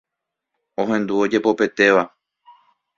ohendu ojepopetéva.